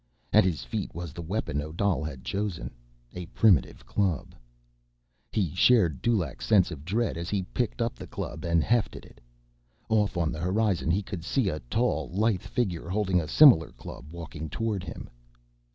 At his feet was the weapon Odal had chosen. A primitive club. He shared Dulaq's sense of dread as he picked up the club and hefted it. Off on the horizon he could see a tall, lithe figure holding a similar club walking toward him.